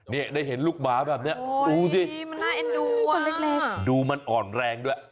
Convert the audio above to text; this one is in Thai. เนี่ยได้เห็นลูกหมาแบบเนี้ยโอ้โหมันน่าเอ็นดูว่ะดูมันอ่อนแรงด้วย